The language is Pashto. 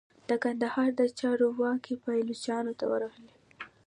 د کندهار د چارو واګي پایلوچانو ته ورغلې.